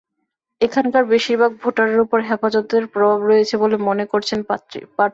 এখানকার বেশির ভাগ ভোটারের ওপর হেফাজতের প্রভাব রয়েছে বলে মনে করছেন প্রার্থীরা।